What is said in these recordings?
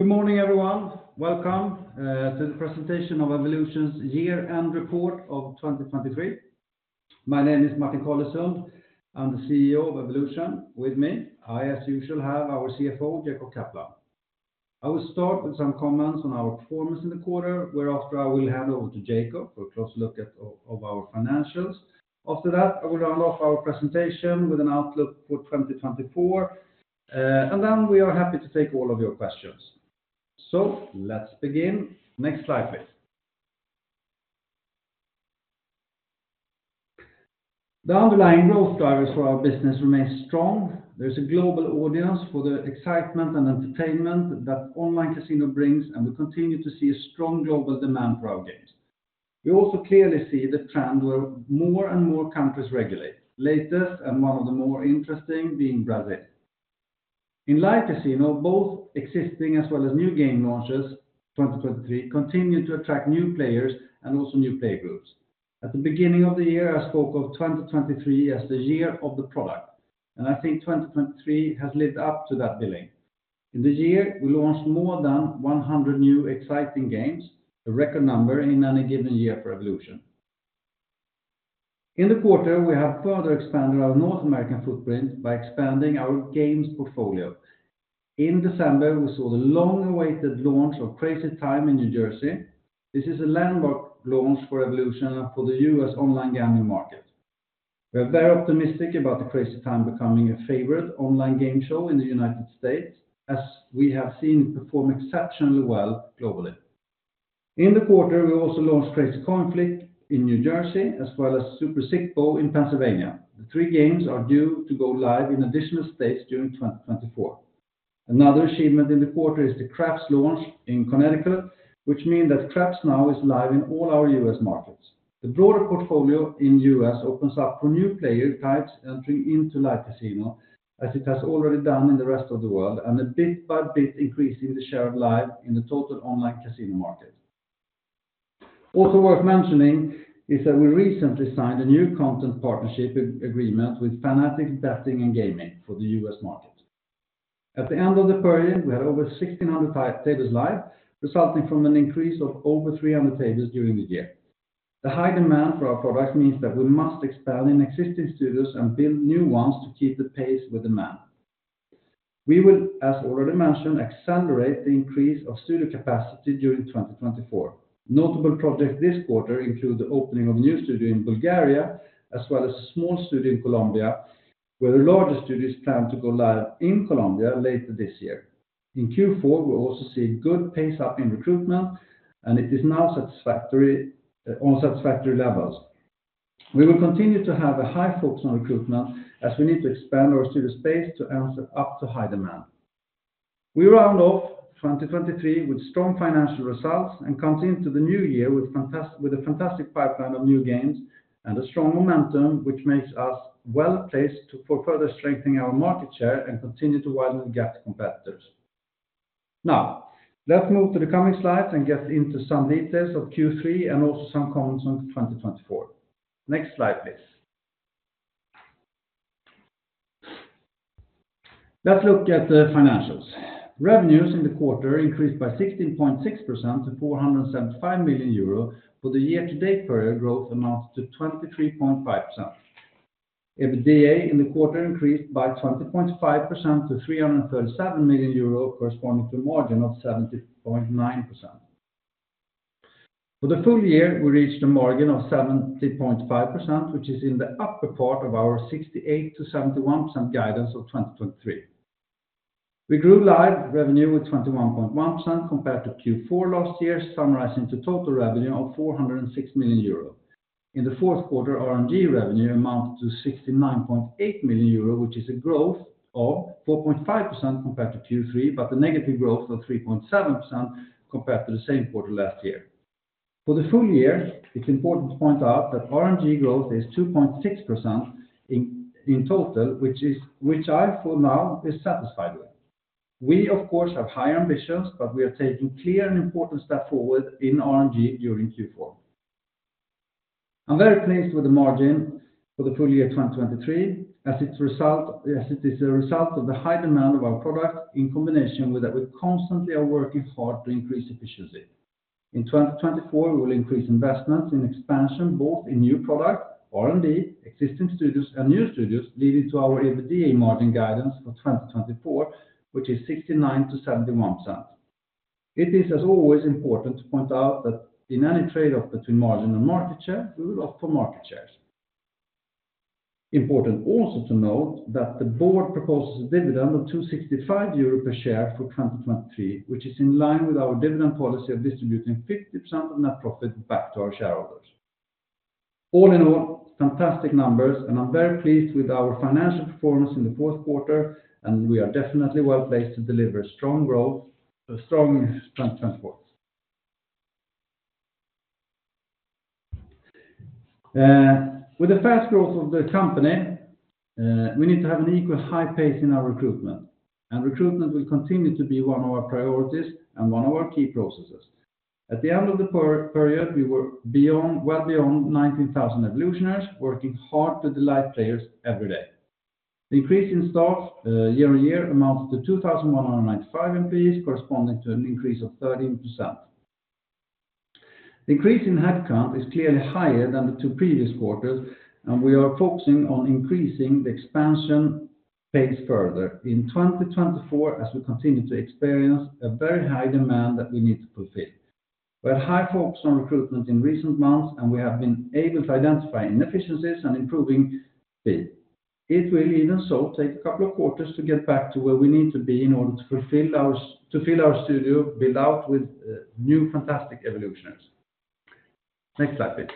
Good morning, everyone. Welcome to the presentation of Evolution's year-end report of 2023. My name is Martin Carlesund. I'm the CEO of Evolution. With me, as usual, I have our CFO, Jacob Kaplan. I will start with some comments on our performance in the quarter, whereafter I will hand over to Jacob for a close look at our financials. After that, I will round off our presentation with an outlook for 2024, and then we are happy to take all of your questions. So let's begin. Next slide, please. The underlying growth drivers for our business remain strong. There's a global audience for the excitement and entertainment that online casino brings, and we continue to see a strong global demand for our games. We also clearly see the trend where more and more countries regulate, latest and one of the more interesting being Brazil. In Live Casino, both existing as well as new game launches, 2023, continue to attract new players and also new player groups. At the beginning of the year, I spoke of 2023 as the year of the product, and I think 2023 has lived up to that billing. In the year, we launched more than 100 new exciting games, a record number in any given year for Evolution. In the quarter, we have further expanded our North American footprint by expanding our games portfolio. In December, we saw the long-awaited launch of Crazy Time in New Jersey. This is a landmark launch for Evolution for the US online gambling market. We are very optimistic about the Crazy Time becoming a favorite online game show in the United States, as we have seen it perform exceptionally well globally. In the quarter, we also launched Crazy Coin Flip in New Jersey, as well as Super Sic Bo in Pennsylvania. The three games are due to go live in additional states during 2024. Another achievement in the quarter is the Craps launch in Connecticut, which means that Craps now is live in all our U.S. markets. The broader portfolio in U.S. opens up for new player types entering into live casino, as it has already done in the rest of the world, and a bit by bit increasing the share of live in the total online casino market. Also worth mentioning is that we recently signed a new content partnership agreement with Fanatics Betting & Gaming for the U.S. market. At the end of the period, we had over 1,600 live tables live, resulting from an increase of over 300 tables during the year. The high demand for our products means that we must expand in existing studios and build new ones to keep the pace with demand. We will, as already mentioned, accelerate the increase of studio capacity during 2024. Notable projects this quarter include the opening of a new studio in Bulgaria, as well as a small studio in Colombia, where the largest studio is planned to go live in Colombia later this year. In Q4, we're also seeing good pace up in recruitment, and it is now satisfactory, on satisfactory levels. We will continue to have a high focus on recruitment as we need to expand our studio space to answer up to high demand. We round off 2023 with strong financial results and continue into the new year with a fantastic pipeline of new games and a strong momentum, which makes us well-placed for further strengthening our market share and continue to widen the gap to competitors. Now, let's move to the coming slides and get into some details of Q3 and also some comments on 2024. Next slide, please. Let's look at the financials. Revenues in the quarter increased by 16.6% to 475 million euro. For the year-to-date period, growth amounted to 23.5%. EBITDA in the quarter increased by 20.5% to 337 million euros, corresponding to a margin of 70.9%. For the full year, we reached a margin of 70.5%, which is in the upper part of our 68%-71% guidance of 2023. We grew live revenue with 21.1% compared to Q4 last year, summarizing to total revenue of 406 million euro. In the fourth quarter, RNG revenue amounted to 69.8 million euro, which is a growth of 4.5% compared to Q3, but a negative growth of 3.7% compared to the same quarter last year. For the full year, it's important to point out that RNG growth is 2.6% in total, which I for now is satisfied with. We, of course, have higher ambitions, but we are taking clear and important step forward in RNG during Q4. I'm very pleased with the margin for the full year 2023, as it is a result of the high demand of our product, in combination with that we constantly are working hard to increase efficiency. In 2024, we will increase investments in expansion, both in new product, RNG, existing studios, and new studios, leading to our EBITDA margin guidance for 2024, which is 69%-71%. It is, as always, important to point out that in any trade-off between margin and market share, we will opt for market shares. Important also to note that the board proposes a dividend of 2.65 euro per share for 2023, which is in line with our dividend policy of distributing 50% of net profit back to our shareholders. All in all, fantastic numbers, and I'm very pleased with our financial performance in the fourth quarter, and we are definitely well-placed to deliver strong growth, strong trend reports. With the fast growth of the company, we need to have an equal high pace in our recruitment, and recruitment will continue to be one of our priorities and one of our key processes. At the end of the period, we were beyond, well beyond 19,000 Evolutioners, working hard to delight players every day. The increase in staff, year-on-year amounts to 2,195 FTEs, corresponding to an increase of 13%. Increase in headcount is clearly higher than the two previous quarters, and we are focusing on increasing the expansion pace further in 2024, as we continue to experience a very high demand that we need to fulfill. We have high focus on recruitment in recent months, and we have been able to identify inefficiencies and improving efficiency. It will even so take a couple of quarters to get back to where we need to be in order to fulfill our-- to fill our studio, build out with new fantastic Evolutioners. Next slide, please.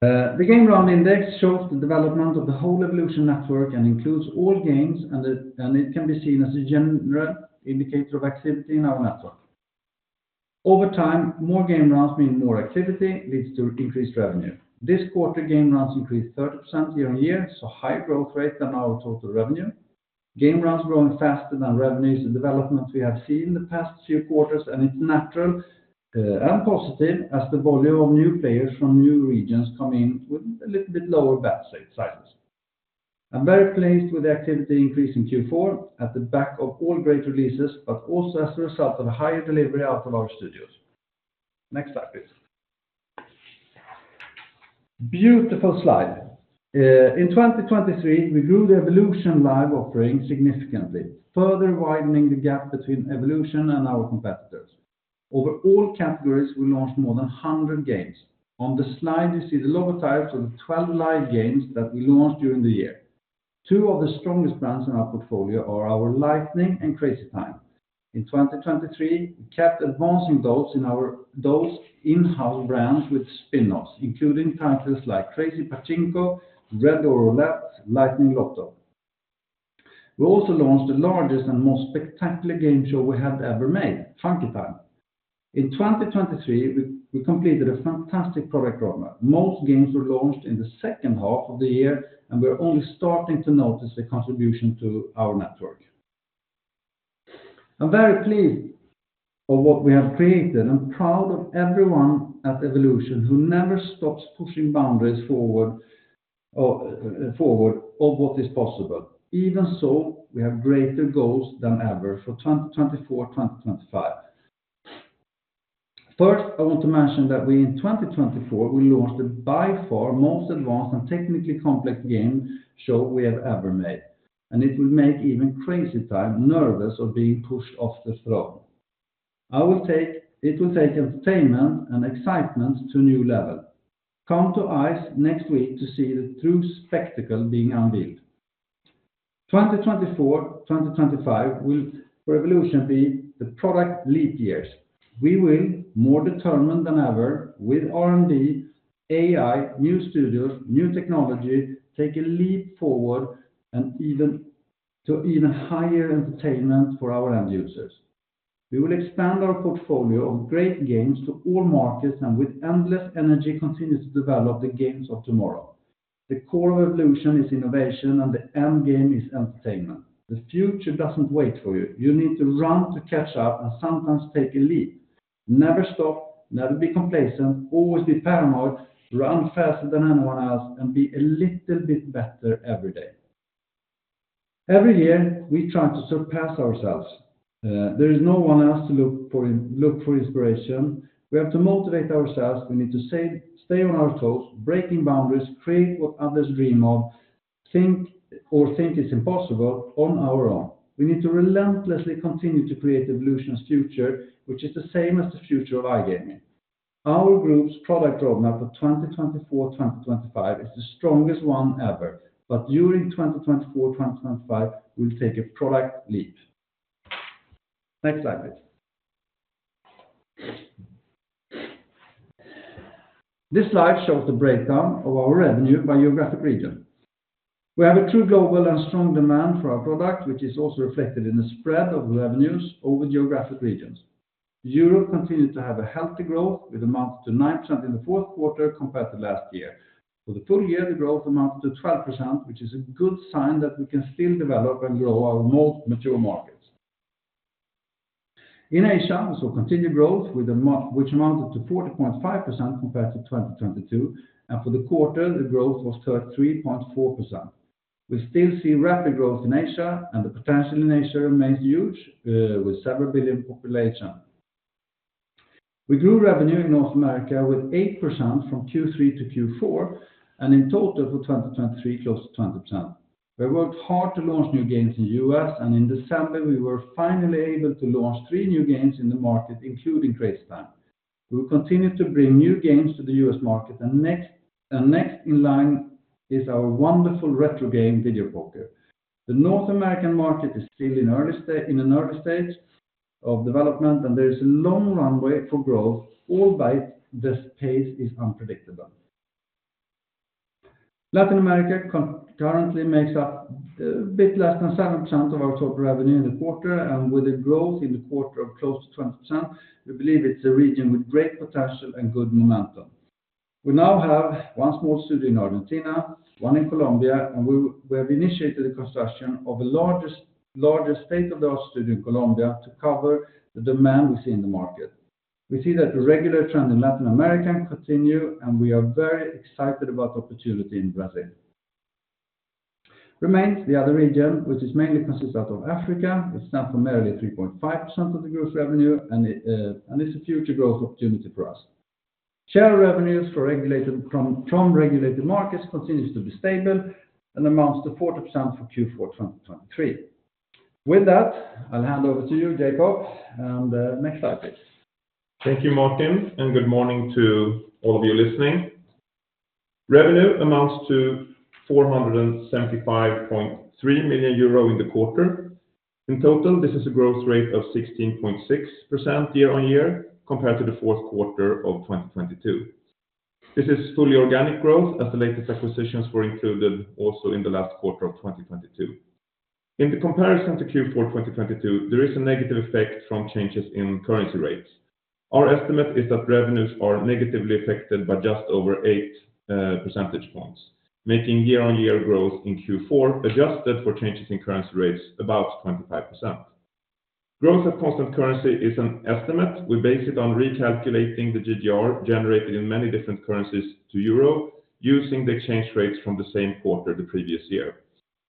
The Game Round Index shows the development of the whole Evolution network and includes all games, and it, and it can be seen as a general indicator of activity in our network. Over time, more game rounds mean more activity, leads to increased revenue. This quarter game rounds increased 30% year-on-year, so higher growth rate than our total revenue. Game rounds growing faster than revenue is a development we have seen in the past few quarters, and it's natural, and positive as the volume of new players from new regions come in with a little bit lower bet sizes. I'm very pleased with the activity increase in Q4 at the back of all great releases, but also as a result of a higher delivery out of our studios. Next slide, please. Beautiful slide. In 2023, we grew the Evolution live offering significantly, further widening the gap between Evolution and our competitors. Over all categories, we launched more than 100 games. On the slide, you see the logotypes of the 12 live games that we launched during the year. Two of the strongest brands in our portfolio are our Lightning and Crazy Time. In 2023, we kept advancing those in-house brands with spinoffs, including titles like Crazy Pachinko, Red Door Roulette, Lightning Lotto. We also launched the largest and most spectacular game show we have ever made, Funky Time. In 2023, we completed a fantastic product roadmap. Most games were launched in the second half of the year, and we're only starting to notice the contribution to our network. I'm very pleased of what we have created, I'm proud of everyone at Evolution who never stops pushing boundaries forward, forward of what is possible. Even so, we have greater goals than ever for 2024, 2025. First, I want to mention that we in 2024, we launched by far the most advanced and technically complex game show we have ever made, and it will make even Crazy Time nervous of being pushed off the throne. It will take entertainment and excitement to a new level. Come to ICE next week to see the true spectacle being unveiled. 2024, 2025, will for Evolution be the product leap years. We will, more determined than ever with R&D, AI, new studios, new technology, take a leap forward and to even higher entertainment for our end users. We will expand our portfolio of great games to all markets, and with endless energy, continue to develop the games of tomorrow. The core of Evolution is innovation, and the end game is entertainment. The future doesn't wait for you. You need to run to catch up and sometimes take a leap. Never stop, never be complacent, always be paranoid, run faster than anyone else, and be a little bit better every day. Every year, we try to surpass ourselves. There is no one else to look for inspiration. We have to motivate ourselves. We need to stay on our toes, breaking boundaries, create what others dream of, think is impossible on our own. We need to relentlessly continue to create Evolution's future, which is the same as the future of iGaming. Our group's product roadmap for 2024, 2025 is the strongest one ever, but during 2024, 2025, we'll take a product leap. Next slide, please. This slide shows the breakdown of our revenue by geographic region. We have a true global and strong demand for our product, which is also reflected in the spread of revenues over geographic regions. Europe continued to have a healthy growth which amounts to 9% in the fourth quarter compared to last year. For the full year, the growth amounted to 12%, which is a good sign that we can still develop and grow our most mature markets. In Asia, we saw continued growth which amounted to 40.5% compared to 2022, and for the quarter, the growth was 33.4%. We still see rapid growth in Asia, and the potential in Asia remains huge, with several billion population. We grew revenue in North America with 8% from Q3-Q4, and in total for 2023, close to 20%. We worked hard to launch new games in U.S., and in December, we were finally able to launch 3 new games in the market, including Crazy Time. We will continue to bring new games to the U.S. market, and next, and next in line is our wonderful retro game, Video Poker. The North American market is still in an early stage of development, and there is a long runway for growth, albeit the pace is unpredictable. Latin America currently makes up a bit less than 7% of our total revenue in the quarter, and with a growth in the quarter of close to 20%, we believe it's a region with great potential and good momentum. We now have one small studio in Argentina, one in Colombia, and we have initiated the construction of the largest state-of-the-art studio in Colombia to cover the demand we see in the market. We see that the regular trend in Latin America continue, and we are very excited about the opportunity in Brazil. Remains the other region, which is mainly consisted out of Africa, it stands for merely 3.5% of the group's revenue, and it, and it's a future growth opportunity for us. Share revenues for regulated from regulated markets continues to be stable and amounts to 40% for Q4 2023. With that, I'll hand over to you, Jacob, and, next slide, please. Thank you, Martin, and good morning to all of you listening. Revenue amounts to 475.3 million euro in the quarter. In total, this is a growth rate of 16.6% year-on-year, compared to the fourth quarter of 2022. This is fully organic growth as the latest acquisitions were included also in the last quarter of 2022. In the comparison to Q4 2022, there is a negative effect from changes in currency rates. Our estimate is that revenues are negatively affected by just over 8 percentage points, making year-on-year growth in Q4, adjusted for changes in currency rates, about 25%. Growth at constant currency is an estimate. We base it on recalculating the GGR generated in many different currencies to euro, using the exchange rates from the same quarter the previous year.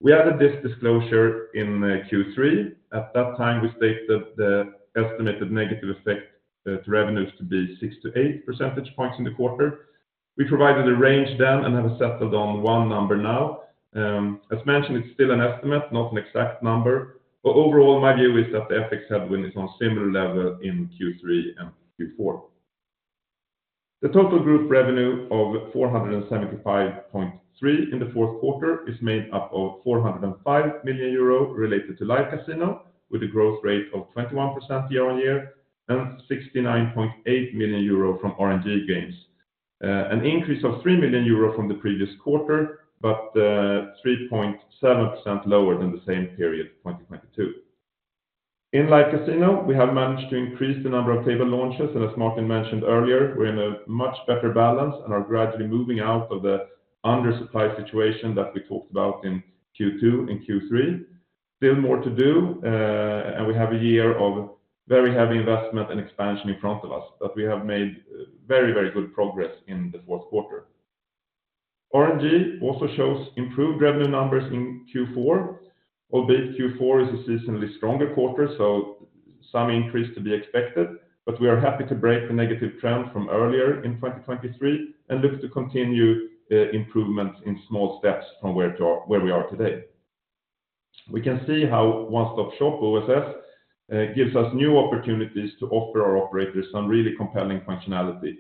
We added this disclosure in Q3. At that time, we stated the estimated negative effect to revenues to be six-eight percentage points in the quarter. We provided a range then and have settled on one number now. As mentioned, it's still an estimate, not an exact number, but overall, my view is that the FX headwind is on similar level in Q3 and Q4. The total group revenue of 475.3 million in the fourth quarter is made up of 405 million euro related to Live Casino, with a growth rate of 21% year-on-year, and 69.8 million euro from RNG Games. An increase of 3 million euro from the previous quarter, but, three point seven percent lower than the same period in 2022. In Live Casino, we have managed to increase the number of table launches, and as Martin mentioned earlier, we're in a much better balance and are gradually moving out of the undersupply situation that we talked about in Q2 and Q3. Still more to do, and we have a year of very heavy investment and expansion in front of us, but we have made very, very good progress in the fourth quarter. RNG also shows improved revenue numbers in Q4, albeit Q4 is a seasonally stronger quarter, so some increase to be expected, but we are happy to break the negative trend from earlier in 2023 and look to continue improvements in small steps from where we are today. We can see how One Stop Shop, OSS, gives us new opportunities to offer our operators some really compelling functionality.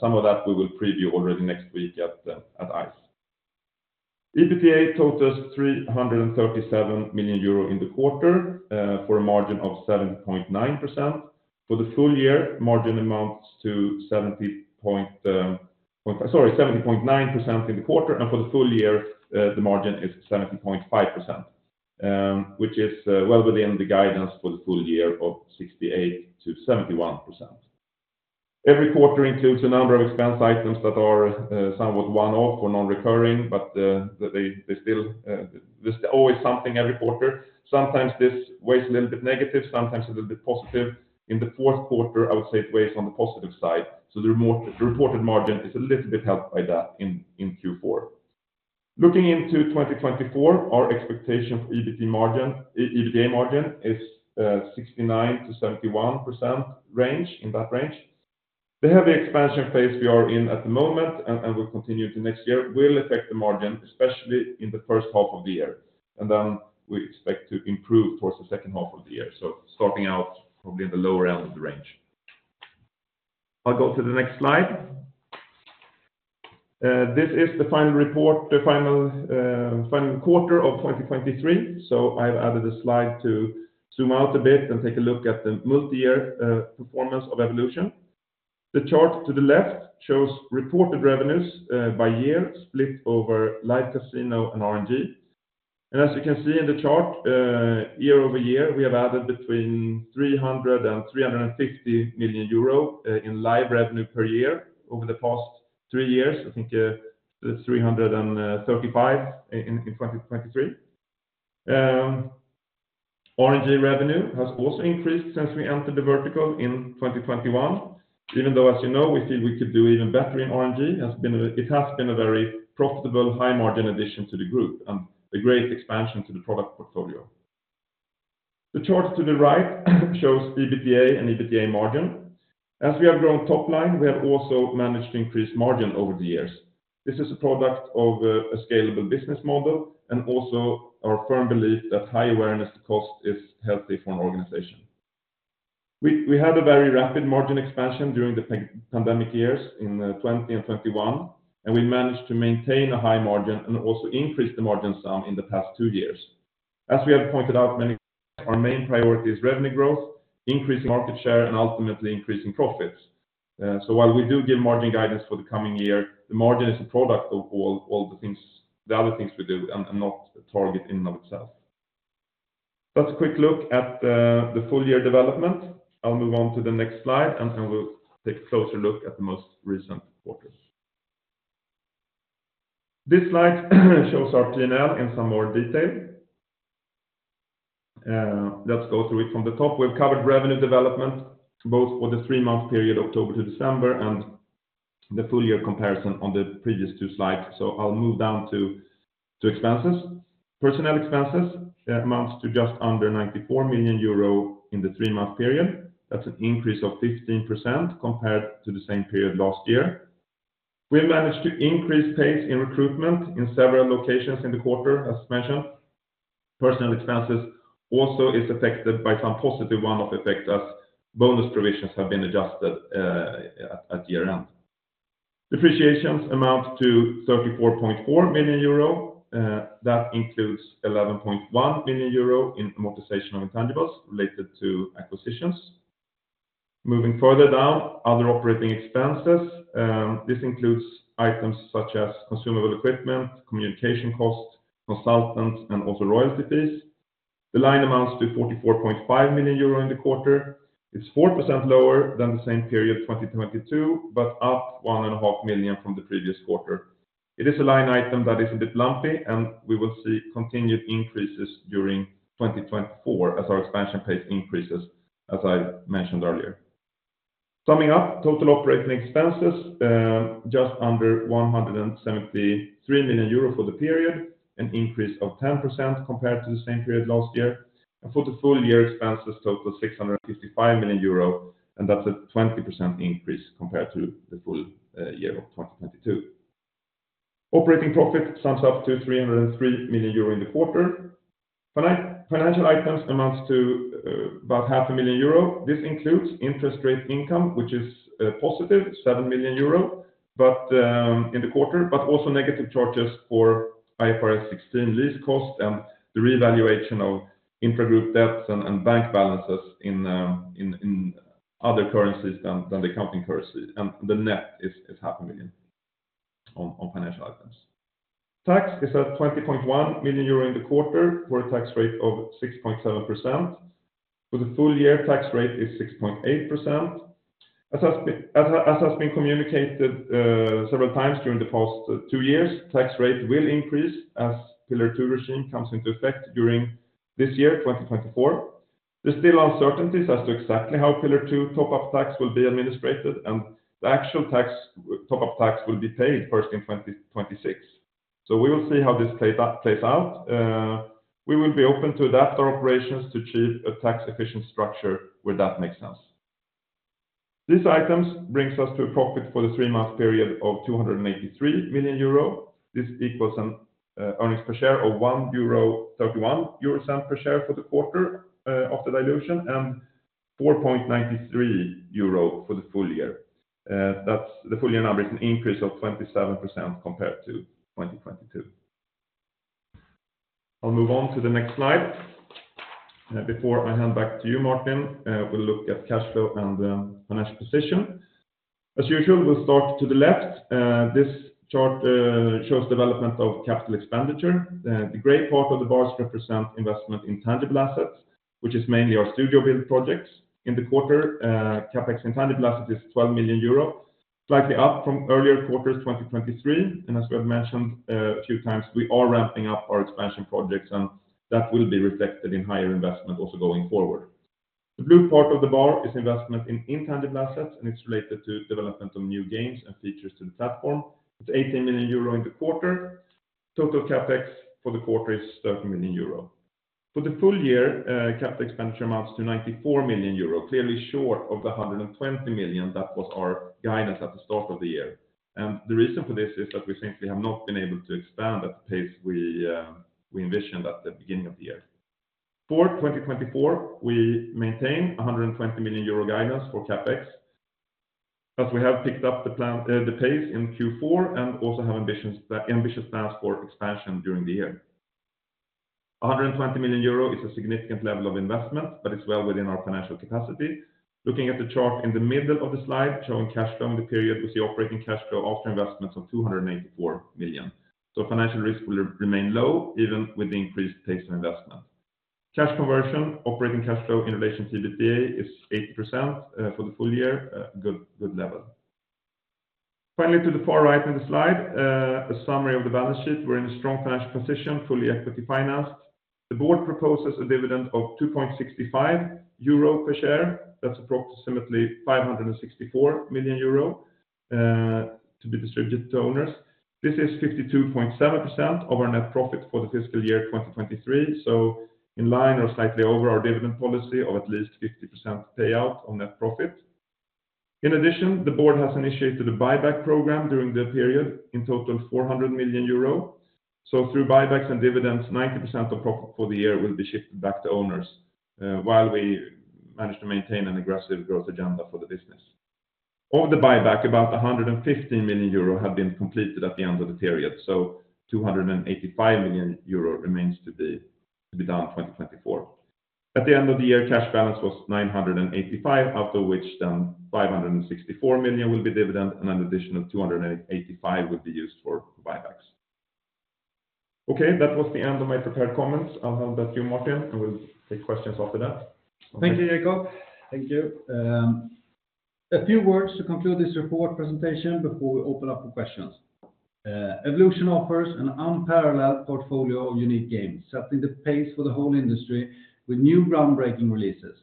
Some of that we will preview already next week at ICE. EBITDA totals 337 million euro in the quarter for a margin of 70.9%. For the full year, margin amounts to seventy point, Sorry, seventy point nine percent in the quarter, and for the full year, the margin is 70.5%, which is well within the guidance for the full year of 68%-71%. Every quarter includes a number of expense items that are somewhat one-off or non-recurring, but they still, there's always something every quarter. Sometimes this weighs a little bit negative, sometimes a little bit positive. In the fourth quarter, I would say it weighs on the positive side, so the reported margin is a little bit helped by that in Q4. Looking into 2024, our expectation for EBT margin, EBITDA margin is 69%-71% range, in that range. The heavy expansion phase we are in at the moment and, and will continue to next year, will affect the margin, especially in the first half of the year, and then we expect to improve towards the second half of the year. So starting out probably in the lower end of the range. I'll go to the next slide. This is the final report, the final quarter of 2023, so I've added a slide to zoom out a bit and take a look at the multi-year performance of Evolution. The chart to the left shows reported revenues by year, split over Live Casino and RNG. As you can see in the chart, year-over-year, we have added between 300 million euro and 350 million euro in live revenue per year over the past three years. I think, 335 in 2023. RNG revenue has also increased since we entered the vertical in 2021, even though, as you know, we feel we could do even better in RNG; it has been a very profitable high-margin addition to the group and a great expansion to the product portfolio. The charts to the right shows EBITDA and EBITDA margin. As we have grown top line, we have also managed to increase margin over the years. This is a product of a scalable business model and also our firm belief that high awareness to cost is healthy for an organization. We had a very rapid margin expansion during the pandemic years in 2020 and 2021, and we managed to maintain a high margin and also increase the margin some in the past two years. As we have pointed out many, our main priority is revenue growth, increasing market share, and ultimately increasing profits. So while we do give margin guidance for the coming year, the margin is a product of all the things, the other things we do and not a target in and of itself. That's a quick look at the full year development. I'll move on to the next slide, and then we'll take a closer look at the most recent quarters.... This slide shows our P&L in some more detail. Let's go through it from the top. We've covered revenue development, both for the three-month period, October to December, and the full year comparison on the previous two slides. So I'll move down to expenses. Personnel expenses amounts to just under 94 million euro in the three-month period. That's an increase of 15% compared to the same period last year. We managed to increase pace in recruitment in several locations in the quarter, as mentioned. Personnel expenses also is affected by some positive one-off effect as bonus provisions have been adjusted at year-end. Depreciations amount to 34.4 million euro, that includes 11.1 million euro in amortization of intangibles related to acquisitions. Moving further down, other operating expenses, this includes items such as consumable equipment, communication costs, consultants, and also royalties. The line amounts to 44.5 million euro in the quarter. It's 4% lower than the same period, 2022, but up 1.5 million from the previous quarter. It is a line item that is a bit lumpy, and we will see continued increases during 2024 as our expansion pace increases, as I mentioned earlier. Summing up, total operating expenses just under 173 million euro for the period, an increase of 10% compared to the same period last year. For the full year, expenses total 655 million euro, and that's a 20% increase compared to the full year of 2022. Operating profit sums up to 303 million euro in the quarter. Financial items amounts to about 500,000 euro. This includes interest rate income, which is positive 7 million euro, but in the quarter, but also negative charges for IFRS 16 lease cost and the revaluation of intragroup debts and bank balances in other currencies than the company currency, and the net is 500,000 on financial items. Tax is at 20.1 million euro in the quarter, for a tax rate of 6.7%. For the full year, tax rate is 6.8%. As has been communicated several times during the past two years, tax rate will increase as Pillar Two regime comes into effect during this year, 2024. There's still uncertainties as to exactly how Pillar Two top-up tax will be administered, and the actual tax top-up tax will be paid first in 2026. We will see how this plays out. We will be open to adapt our operations to achieve a tax-efficient structure where that makes sense. These items brings us to a profit for the three-month period of 283 million euro. This equals an earnings per share of 1.31 euro per share for the quarter, after dilution, and 4.93 euro for the full year. The full year number is an increase of 27% compared to 2022. I'll move on to the next slide. Before I hand back to you, Martin, we'll look at cash flow and financial position. As usual, we'll start to the left. This chart shows development of capital expenditure. The gray part of the bars represent investment in tangible assets, which is mainly our studio build projects. In the quarter, CapEx in tangible assets is 12 million euro, slightly up from earlier quarters, 2023. As we have mentioned, a few times, we are ramping up our expansion projects, and that will be reflected in higher investment also going forward. The blue part of the bar is investment in intangible assets, and it's related to development of new games and features to the platform. It's 18 million euro in the quarter. Total CapEx for the quarter is 13 million euro. For the full year, capital expenditure amounts to 94 million euro, clearly short of the 120 million. That was our guidance at the start of the year, and the reason for this is that we simply have not been able to expand at the pace we envisioned at the beginning of the year. For 2024, we maintain 120 million euro guidance for CapEx, as we have picked up the pace in Q4 and also have ambitious plans for expansion during the year. 120 million euro is a significant level of investment, but it's well within our financial capacity. Looking at the chart in the middle of the slide, showing cash flow in the period, we see operating cash flow after investments of 284 million. So financial risk will remain low, even with the increased pace in investment. Cash conversion, operating cash flow in relation to EBITDA, is 80%, for the full year, good, good level. Finally, to the far right in the slide, a summary of the balance sheet. We're in a strong financial position, fully equity financed. The board proposes a dividend of 2.65 euro per share. That's approximately 564 million euro to be distributed to owners. This is 52.7% of our net profit for the fiscal year 2023, so in line or slightly over our dividend policy of at least 50% payout on net profit. In addition, the board has initiated a buyback program during the period, in total, 400 million euro. So through buybacks and dividends, 90% of profit for the year will be shifted back to owners, while we manage to maintain an aggressive growth agenda for the business. Of the buyback, about 150 million euro have been completed at the end of the period, so 285 million euro remains to be done in 2024. At the end of the year, cash balance was 985 million, out of which then 564 million will be dividend, and an additional 285 million would be used for buybacks.... Okay, that was the end of my prepared comments. I'll hand back to you, Martin, and we'll take questions after that. Thank you, Jacob. Thank you. A few words to conclude this report presentation before we open up for questions. Evolution offers an unparalleled portfolio of unique games, setting the pace for the whole industry with new groundbreaking releases.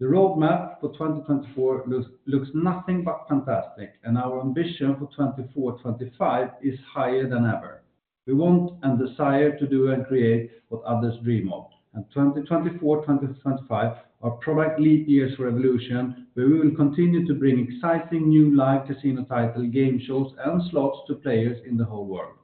The roadmap for 2024 looks nothing but fantastic, and our ambition for 2024, 2025 is higher than ever. We want and desire to do and create what others dream of, and 2024, 2025 are probably leap years for Evolution, where we will continue to bring exciting new live casino title game shows and slots to players in the whole world.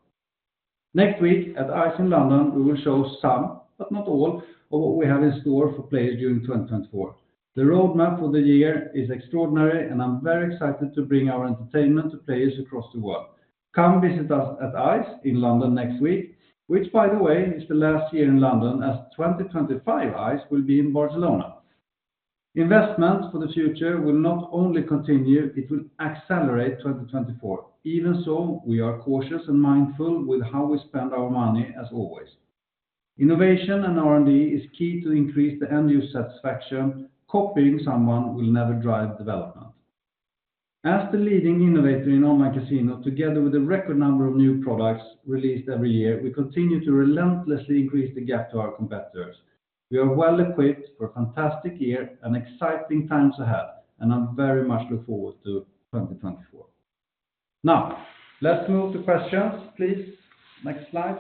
Next week, at ICE in London, we will show some, but not all, of what we have in store for players during 2024. The roadmap for the year is extraordinary, and I'm very excited to bring our entertainment to players across the world. Come visit us at ICE in London next week, which, by the way, is the last year in London, as 2025 ICE will be in Barcelona. Investment for the future will not only continue, it will accelerate 2024. Even so, we are cautious and mindful with how we spend our money as always. Innovation and R&D is key to increase the end user satisfaction. Copying someone will never drive development. As the leading innovator in online casino, together with a record number of new products released every year, we continue to relentlessly increase the gap to our competitors. We are well equipped for a fantastic year and exciting times ahead, and I very much look forward to 2024. Now, let's move to questions, please. Next slide.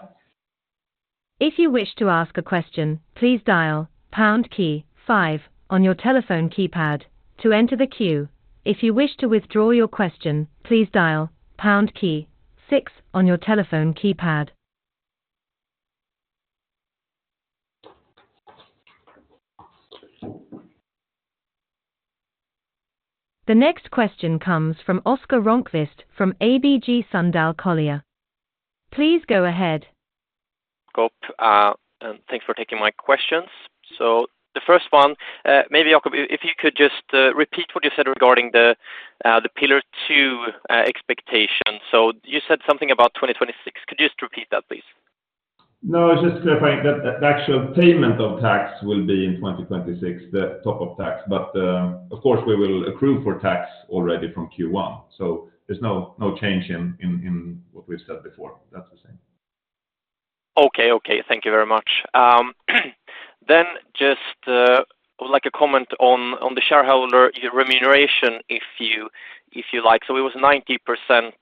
If you wish to ask a question, please dial pound key five on your telephone keypad to enter the queue. If you wish to withdraw your question, please dial pound key six on your telephone keypad. The next question comes from Oscar Rönnkvist from ABG Sundal Collier. Please go ahead. Go, and thanks for taking my questions. So the first one, maybe, Jacob, if you could just, repeat what you said regarding the, the Pillar Two, expectation. So you said something about 2026. Could you just repeat that, please? No, it's just clarifying. The actual payment of tax will be in 2026, the topic of tax. But, of course, we will accrue for tax already from Q1, so there's no change in what we've said before. That's the same. Okay. Okay, thank you very much. Then just, I would like a comment on, on the shareholder remuneration, if you, if you like. So it was 90%,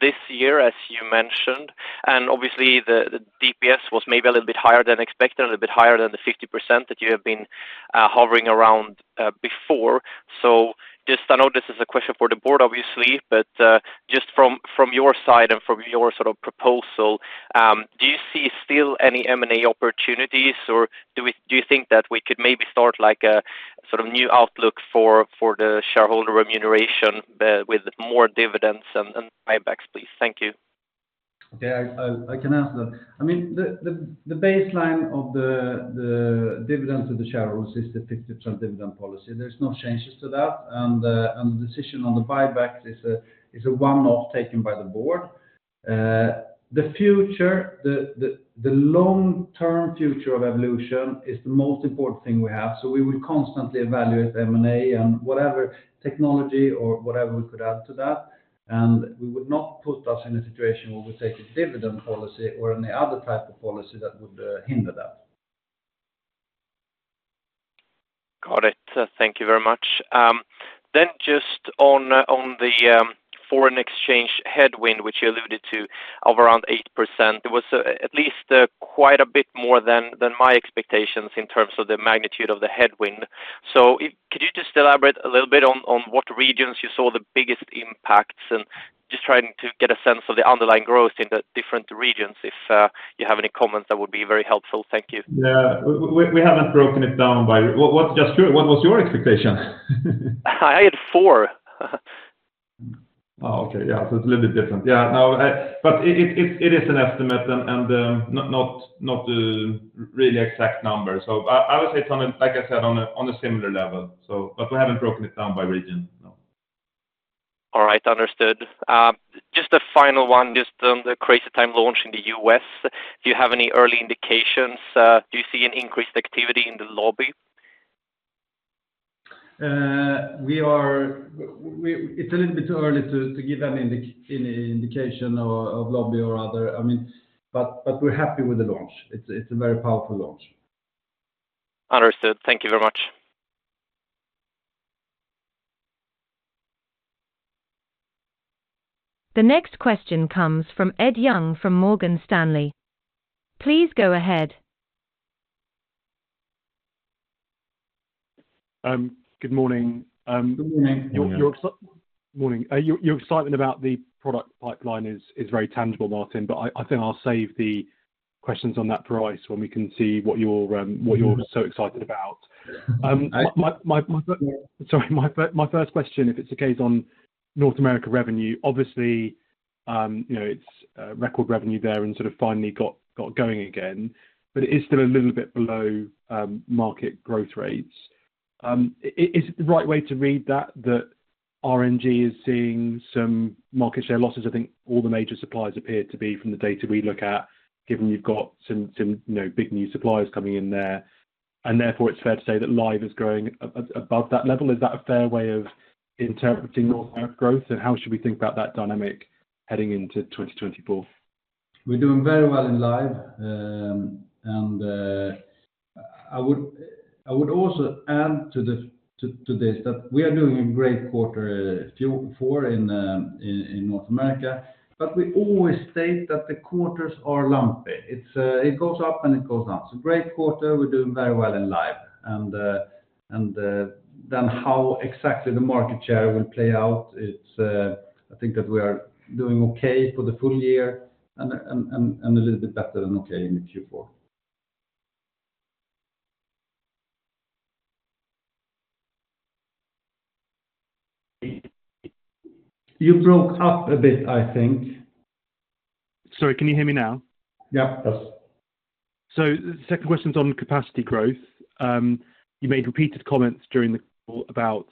this year, as you mentioned, and obviously the, the DPS was maybe a little bit higher than expected, a little bit higher than the 50% that you have been, hovering around, before. So just I know this is a question for the board, obviously, but, just from, from your side and from your sort of proposal, do you see still any M&A opportunities, or do you- do you think that we could maybe start, like, a sort of new outlook for, for the shareholder remuneration with more dividends and, and buybacks, please? Thank you. Yeah, I can answer that. I mean, the baseline of the dividends to the shareholders is the 50% dividend policy. There's no changes to that, and the decision on the buyback is a one-off taken by the board. The long-term future of Evolution is the most important thing we have, so we will constantly evaluate M&A and whatever technology or whatever we could add to that, and we would not put us in a situation where we take a dividend policy or any other type of policy that would hinder that. Got it. Thank you very much. Then just on the foreign exchange headwind, which you alluded to, of around 8%, it was at least quite a bit more than my expectations in terms of the magnitude of the headwind. So could you just elaborate a little bit on what regions you saw the biggest impacts? And just trying to get a sense of the underlying growth in the different regions. If you have any comments, that would be very helpful. Thank you. Yeah. We, we haven't broken it down by... What, just curious, what was your expectation? I had four. Oh, okay. Yeah, so it's a little bit different. Yeah, no, but it is an estimate and not the really exact number. So I would say it's on a like I said, on a similar level, so, but we haven't broken it down by region, no. All right. Understood. Just a final one, just on the Crazy Time launch in the U.S., do you have any early indications? Do you see an increased activity in the lobby? It's a little bit too early to give any indication of lobby or other. I mean, but we're happy with the launch. It's a very powerful launch. Understood. Thank you very much. The next question comes from Ed Young, from Morgan Stanley. Please go ahead. Good morning. Good morning. Morning. Your excitement about the product pipeline is very tangible, Martin, but I think I'll save the questions on that for ICE when we can see what you're Mm-hmm... what you're so excited about. Yeah. Sorry, my first question, if it's okay, is on North America revenue. Obviously, you know, it's record revenue there and sort of finally got going again, but it is still a little bit below market growth rates. Is it the right way to read that, that RNG is seeing some market share losses? I think all the major suppliers appear to be from the data we look at, given you've got some, you know, big new suppliers coming in there, and therefore it's fair to say that live is growing above that level. Is that a fair way of interpreting North America growth, and how should we think about that dynamic heading into 2024? We're doing very well in live. And I would also add to this that we are doing a great quarter, Q4 in North America. But we always state that the quarters are lumpy. It goes up and it goes down. It's a great quarter. We're doing very well in live, and then how exactly the market share will play out, it's, I think that we are doing okay for the full year and a little bit better than okay in the Q4. You broke up a bit, I think. Sorry, can you hear me now? Yeah. Yes. So the second question's on capacity growth. You made repeated comments during the call about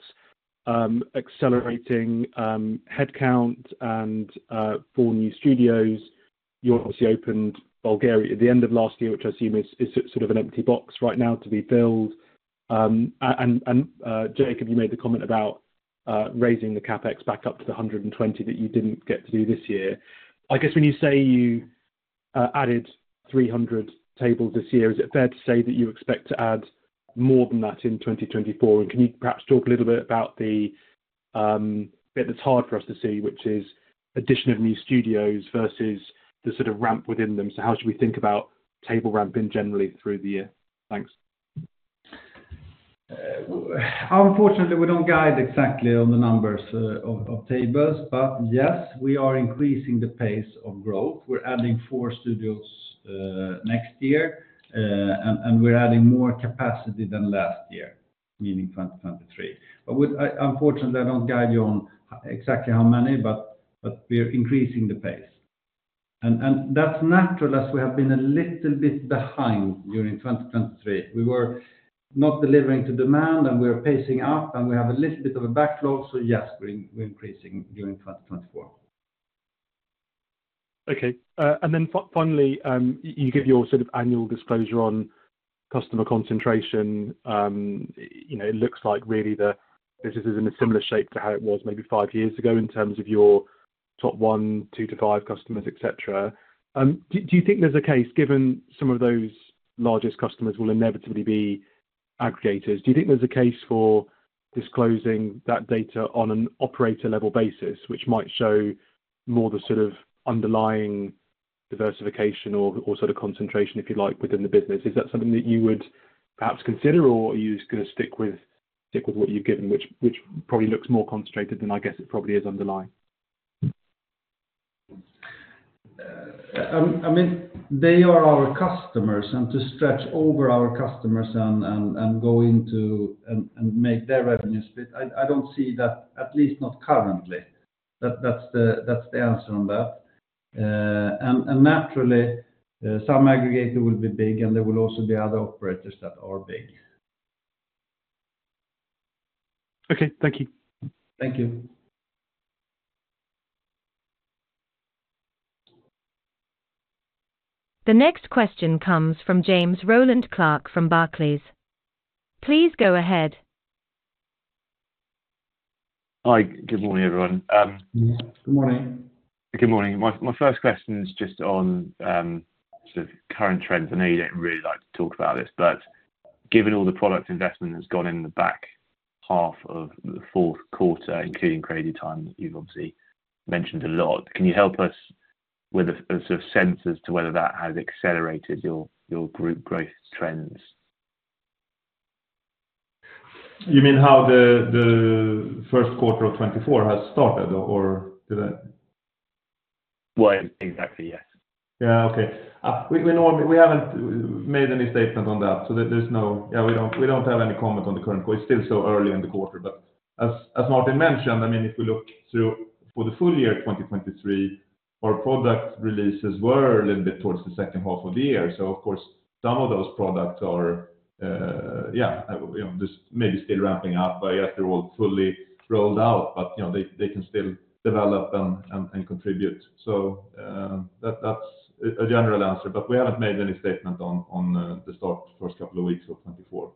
accelerating headcount and four new studios. You obviously opened Bulgaria at the end of last year, which I assume is sort of an empty box right now to be filled. And Jacob, you made the comment about raising the CapEx back up to the 120 that you didn't get to do this year. I guess when you say you added 300 tables this year, is it fair to say that you expect to add more than that in 2024? And can you perhaps talk a little bit about the bit that's hard for us to see, which is addition of new studios versus the sort of ramp within them? How should we think about table ramping generally through the year? Thanks. Unfortunately, we don't guide exactly on the numbers of tables, but yes, we are increasing the pace of growth. We're adding four studios next year, and we're adding more capacity than last year, meaning 2023. Unfortunately, I don't guide you on exactly how many, but we're increasing the pace. And that's natural, as we have been a little bit behind during 2023. We were not delivering to demand, and we're pacing up, and we have a little bit of a backlog. So yes, we're increasing during 2024. Okay. And then finally, you give your sort of annual disclosure on customer concentration. You know, it looks like really the business is in a similar shape to how it was maybe five years ago in terms of your top one, two-five customers, et cetera. Do you think there's a case, given some of those largest customers will inevitably be aggregators, do you think there's a case for disclosing that data on an operator level basis, which might show more the sort of underlying diversification or sort of concentration, if you like, within the business? Is that something that you would perhaps consider, or are you just gonna stick with what you've given, which probably looks more concentrated than I guess it probably is underlying? I mean, they are our customers, and to stretch over our customers and go into and make their revenues, but I don't see that, at least not currently. That's the answer on that. And naturally, some aggregator will be big, and there will also be other operators that are big. Okay. Thank you. Thank you. The next question comes from James Rowland Clark from Barclays. Please go ahead. Hi. Good morning, everyone. Good morning. Good morning. My first question is just on, sort of current trends. I know you don't really like to talk about this, but given all the product investment that's gone in the back half of the fourth quarter, including Crazy Time, you've obviously mentioned a lot. Can you help us with a sort of sense as to whether that has accelerated your group growth trends? You mean how the first quarter of 2024 has started, or did I? Well, exactly, yes. Yeah. Okay. We haven't made any statement on that, so there's no... Yeah, we don't have any comment on the current, but it's still so early in the quarter. But as Martin mentioned, I mean, if you look through for the full year, 2023, our product releases were a little bit towards the second half of the year. So of course, some of those products are, yeah, you know, just maybe still ramping up, but yet they're all fully rolled out. But, you know, they can still develop and contribute. So, that, that's a general answer, but we haven't made any statement on the start, first couple of weeks of 2024.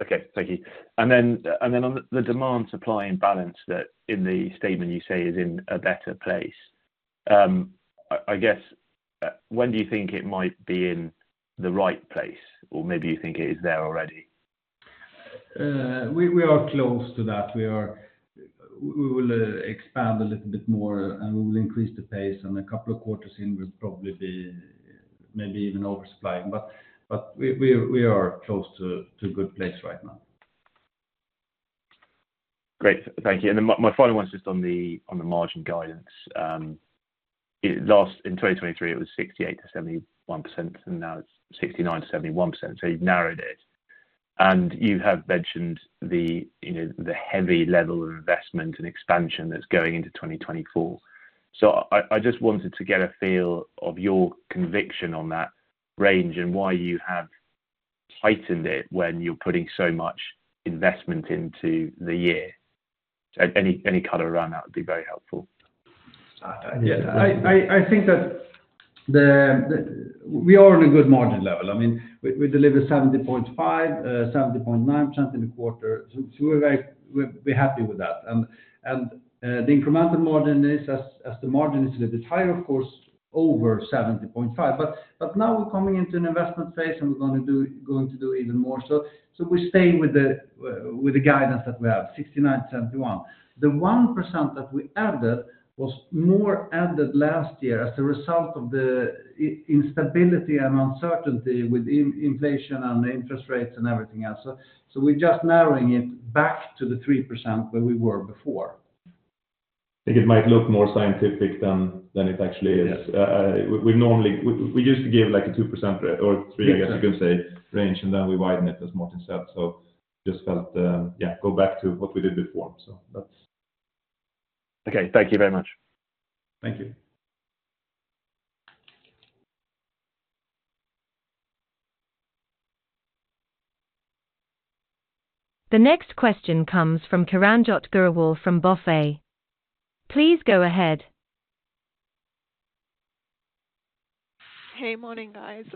Okay. Thank you. And then on the demand supply and balance that in the statement you say is in a better place, I guess, when do you think it might be in the right place, or maybe you think it is there already? We are close to that. We will expand a little bit more, and we will increase the pace, and a couple of quarters in, we'll probably be maybe even oversupplying, but we are close to a good place right now. Great. Thank you, and then my final one is just on the margin guidance. It last in 2023, it was 68%-71%, and now it's 69%-71%, so you've narrowed it. You have mentioned the, you know, the heavy level of investment and expansion that's going into 2024... So I just wanted to get a feel of your conviction on that range and why you have tightened it when you're putting so much investment into the year. Any color around that would be very helpful. Yeah, I think that the, the—we are on a good margin level. I mean, we delivered 70.5, 70.9% in the quarter, so we're very—we're happy with that. And the incremental margin is as the margin is a little bit higher, of course, over 70.5%. But now we're coming into an investment phase, and we're gonna going to do even more. So we stay with the guidance that we have, 69%-71%. The 1% that we added was more added last year as a result of the instability and uncertainty with inflation and interest rates and everything else. So we're just narrowing it back to the 3% where we were before. I think it might look more scientific than it actually is. Yes. We normally used to give, like, a 2% or 3, I guess you could say, range, and then we widen it, as Martin said. So just felt, yeah, go back to what we did before. So that's. Okay, thank you very much. Thank you. The next question comes from Kiranjot Grewal from BofA. Please go ahead. Hey, morning, guys.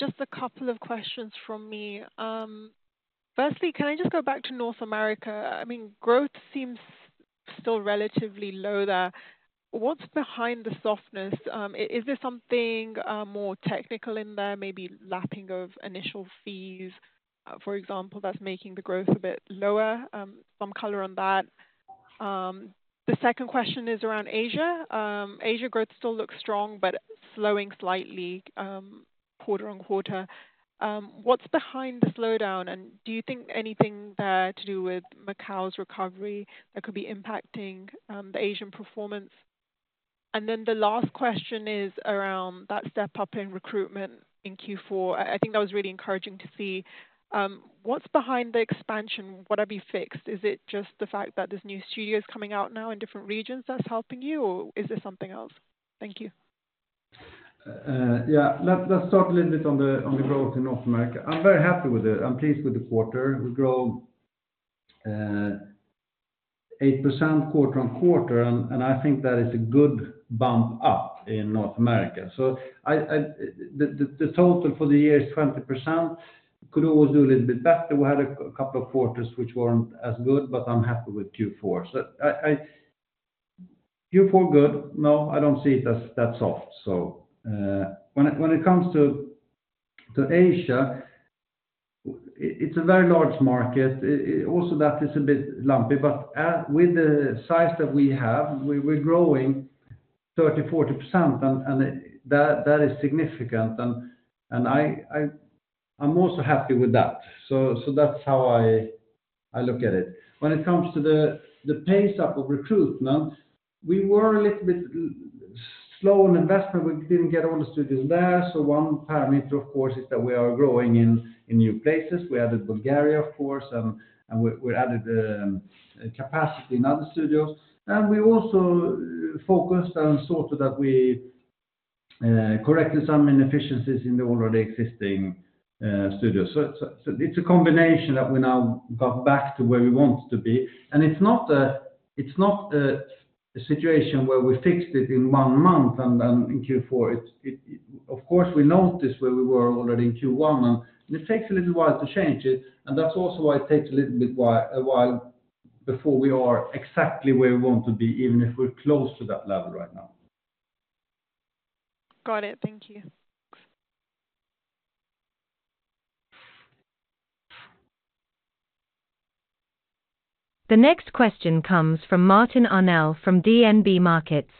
Just a couple of questions from me. Firstly, can I just go back to North America? I mean, growth seems still relatively low there. What's behind the softness? Is there something more technical in there, maybe lacking of initial fees, for example, that's making the growth a bit lower? Some color on that. The second question is around Asia. Asia growth still looks strong, but slowing slightly, quarter on quarter. What's behind the slowdown? And do you think anything there to do with Macau's recovery that could be impacting the Asian performance? And then the last question is around that step-up in recruitment in Q4. I think that was really encouraging to see. What's behind the expansion? Would I be fixed? Is it just the fact that there's new studios coming out now in different regions that's helping you, or is there something else? Thank you. Yeah, let's start a little bit on the growth in North America. I'm very happy with it. I'm pleased with the quarter. We grew 8% quarter-on-quarter, and I think that is a good bump up in North America. So, the total for the year is 20%. Could always do a little bit better. We had a couple of quarters which weren't as good, but I'm happy with Q4. So, Q4 good. No, I don't see it as that soft. So, when it comes to Asia, it's a very large market. Also, that is a bit lumpy, but as with the size that we have, we're growing 30%-40%, and that is significant. And I'm also happy with that. So that's how I look at it. When it comes to the pace up of recruitment, we were a little bit slow on investment. We didn't get all the studios there. So one parameter, of course, is that we are growing in new places. We added Bulgaria, of course, and we added capacity in other studios. And we also focused on sort of that we corrected some inefficiencies in the already existing studios. So it's a combination that we now got back to where we want to be. And it's not a situation where we fixed it in one month and then in Q4. Of course, we noticed where we were already in Q1, and it takes a little while to change it, and that's also why it takes a little bit a while before we are exactly where we want to be, even if we're close to that level right now. Got it. Thank you. The next question comes from Martin Arnell from DNB Markets.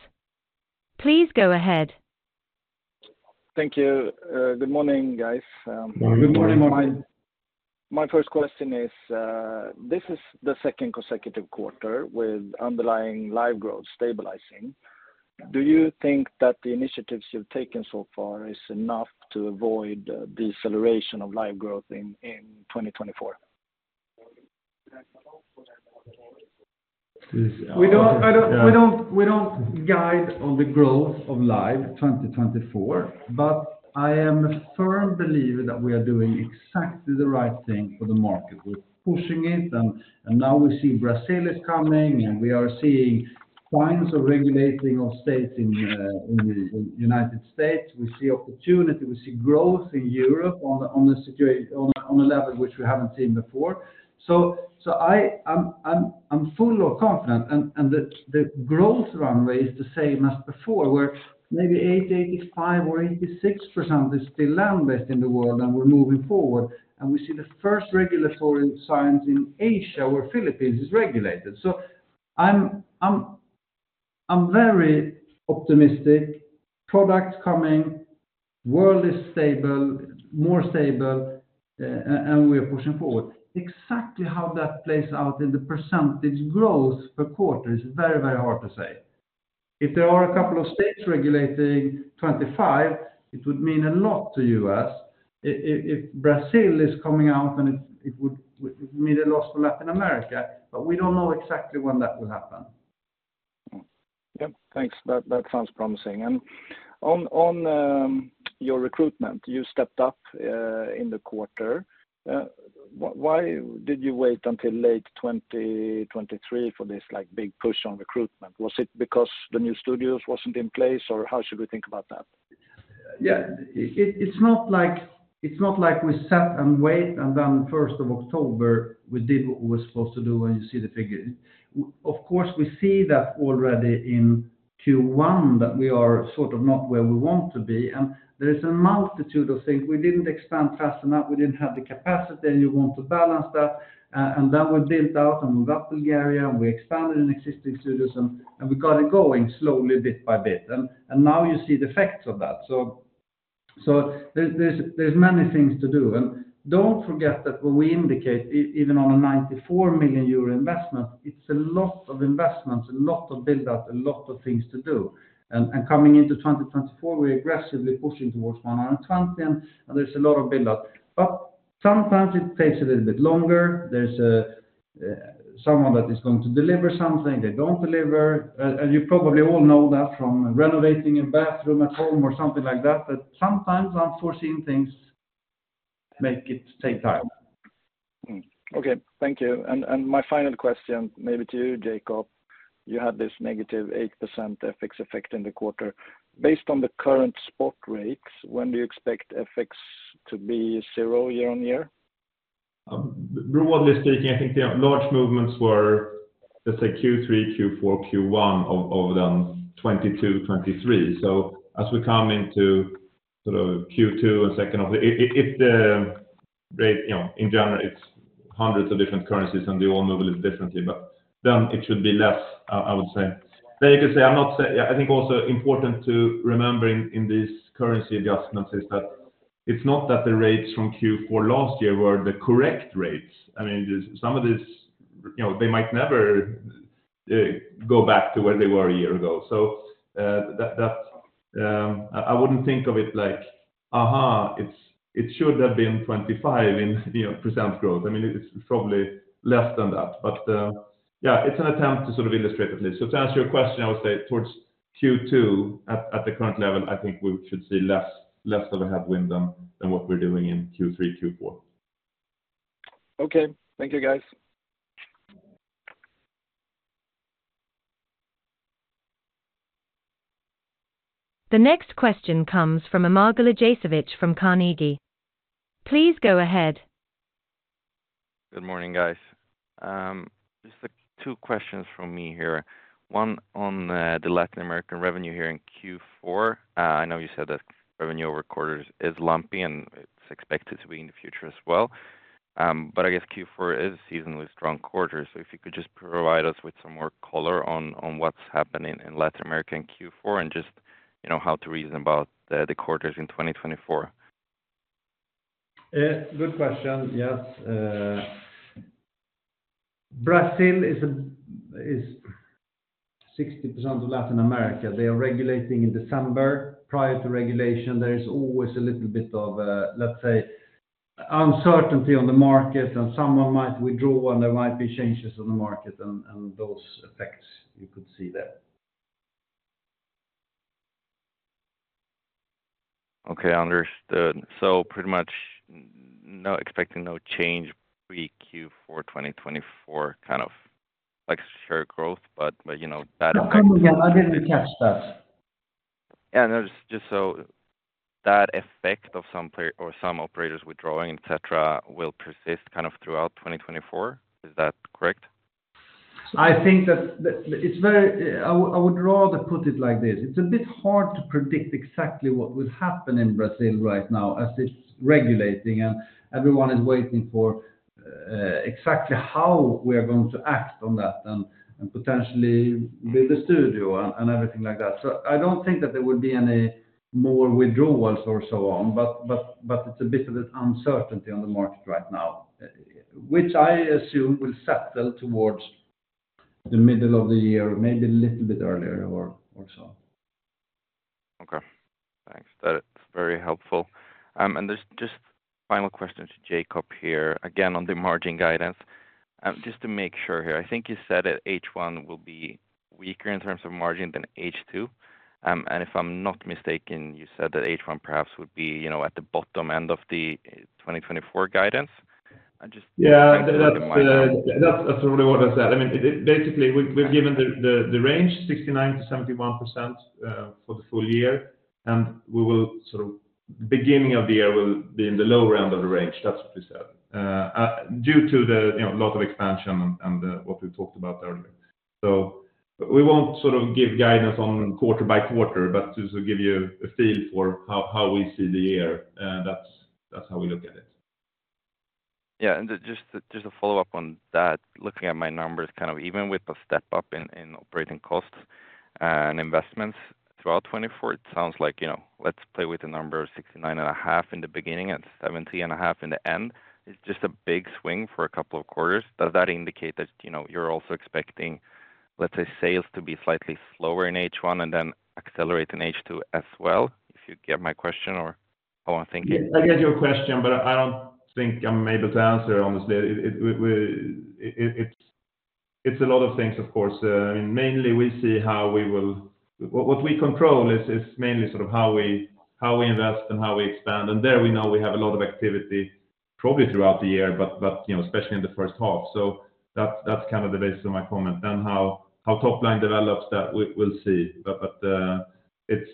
Please go ahead. Thank you. Good morning, guys, Good morning, Martin. My first question is, this is the second consecutive quarter with underlying live growth stabilizing. Do you think that the initiatives you've taken so far is enough to avoid deceleration of live growth in 2024? We don't guide on the growth of live 2024, but I am a firm believer that we are doing exactly the right thing for the market. We're pushing it, and now we see Brazil is coming, and we are seeing signs of regulating of states in the United States. We see opportunity, we see growth in Europe on the security, on a level which we haven't seen before. So I'm full of confidence, and the growth runway is the same as before, where maybe 80, 85, or 86% is still land-based in the world, and we're moving forward. And we see the first regulatory signs in Asia, where Philippines is regulated. So I'm very optimistic. Products coming, world is stable, more stable, and we are pushing forward. Exactly how that plays out in the percentage growth per quarter is very, very hard to say. If there are a couple of states regulating 25, it would mean a lot to us. If Brazil is coming out, then it would mean a loss for Latin America, but we don't know exactly when that will happen. Mm-hmm. Yep, thanks. That, that sounds promising. And on your recruitment, you stepped up in the quarter. Why, why did you wait until late 2023 for this, like, big push on recruitment? Was it because the new studios wasn't in place, or how should we think about that? Yeah. It's not like we sat and waited, and then first of October, we did what we were supposed to do, and you see the figure. Of course, we see that already in Q1, that we are sort of not where we want to be, and there is a multitude of things. We didn't expand fast enough, we didn't have the capacity, and you want to balance that, and then we built out and moved up to the area, and we expanded in existing studios, and we got it going slowly, bit by bit. And now you see the effects of that. So, there's many things to do. And don't forget that when we indicate even on a 94 million euro investment, it's a lot of investment, a lot of build up, a lot of things to do. Coming into 2024, we're aggressively pushing towards 120, and there's a lot of build-up. But sometimes it takes a little bit longer. There's someone that is going to deliver something, they don't deliver. And you probably all know that from renovating a bathroom at home or something like that, that sometimes unforeseen things make it take time. Okay, thank you. And my final question, maybe to you, Jacob, you had this -8% FX effect in the quarter. Based on the current spot rates, when do you expect FX to be zero year-over-year? Broadly speaking, I think the large movements were, let's say, Q3, Q4, Q1 of 2022, 2023. So as we come into sort of Q2 and second of the... If the rate, you know, in general, it's hundreds of different currencies, and they all move a little differently, but then it should be less, I would say. Then you could say, I'm not saying. Yeah, I think also important to remember in this currency adjustments is that it's not that the rates from Q4 last year were the correct rates. I mean, some of this, you know, they might never go back to where they were a year ago. So, that, that, I wouldn't think of it like, aha, it should have been 25% growth. I mean, it's probably less than that, but yeah, it's an attempt to sort of illustrate a list. So to answer your question, I would say towards Q2 at the current level, I think we should see less of a headwind than what we're doing in Q3, Q4. Okay. Thank you, guys. The next question comes from Amar Galijasevic from Carnegie. Please go ahead. Good morning, guys. Just two questions from me here. One on, the Latin American revenue here in Q4. I know you said that revenue over quarters is lumpy, and it's expected to be in the future as well. But I guess Q4 is a seasonally strong quarter. So if you could just provide us with some more color on, what's happening in Latin America in Q4, and just, you know, how to reason about the, quarters in 2024. Good question. Yes, Brazil is 60% of Latin America. They are regulating in December. Prior to regulation, there is always a little bit of, let's say, uncertainty on the market, and someone might withdraw, and there might be changes on the market and, and those effects you could see there. Okay, understood. So pretty much no, expecting no change pre-Q4, 2024 kind of like share growth, but, but, you know, that- Come again, I didn't catch that. Yeah, just so that effect of some player or some operators withdrawing, et cetera, will persist kind of throughout 2024? Is that correct? I think that it's very. I would rather put it like this: It's a bit hard to predict exactly what will happen in Brazil right now as it's regulating, and everyone is waiting for exactly how we are going to act on that, and potentially build a studio and everything like that. So I don't think that there would be any more withdrawals or so on, but it's a bit of an uncertainty on the market right now, which I assume will settle towards the middle of the year, maybe a little bit earlier or so. Okay. Thanks. That is very helpful. And there's just final question to Jacob here, again, on the margin guidance. Just to make sure here, I think you said that H1 will be weaker in terms of margin than H2. And if I'm not mistaken, you said that H1 perhaps would be, you know, at the bottom end of the 2024 guidance. I just- Yeah, that's, that's absolutely what I said. I mean, basically, we've given the range 69%-71% for the full year, and we will sort of beginning of the year will be in the lower end of the range. That's what we said. Due to the, you know, lot of expansion and what we talked about earlier. So we won't sort of give guidance on quarter by quarter, but just to give you a feel for how we see the year, that's how we look at it. Yeah, and just a follow-up on that, looking at my numbers, kind of even with the step up in operating costs and investments throughout 2024, it sounds like, you know, let's play with the number of 69.5 in the beginning and 70.5 in the end. It's just a big swing for a couple of quarters. Does that indicate that, you know, you're also expecting, let's say, sales to be slightly slower in H1 and then accelerate in H2 as well? If you get my question or how I'm thinking. Yeah, I get your question, but I don't think I'm able to answer honestly. It's a lot of things, of course. I mean, mainly we see how we will... What we control is mainly sort of how we invest and how we expand. And there we know we have a lot of activity, probably throughout the year, but you know, especially in the first half. So that's kind of the basis of my comment. Then how top line develops, that we'll see. But it's,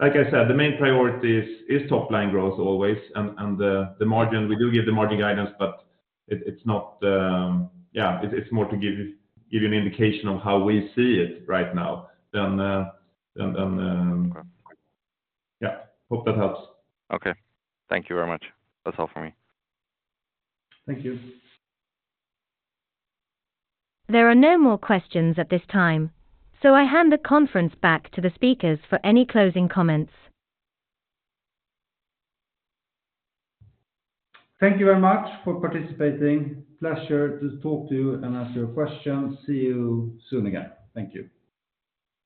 like I said, the main priority is top line growth always, and the margin. We do give the margin guidance, but it's not. It's more to give you an indication of how we see it right now than. Okay. Yeah. Hope that helps. Okay. Thank you very much. That's all for me. Thank you. There are no more questions at this time, so I hand the conference back to the speakers for any closing comments. Thank you very much for participating. Pleasure to talk to you and answer your questions. See you soon again. Thank you.